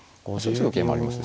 すぐ桂もありますね。